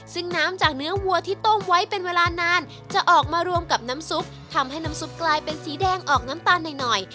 ซึ่งน้ำจากเนื้อวัวที่ต้มไว้เป็นเวลานานจะออกมารวมกับน้ำซุปทำให้น้ำซุปกลายเป็นสีแดงออกน้ำตาลหน่อย